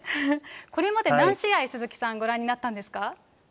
これまで何試合、鈴木さん、ご覧になったんですか？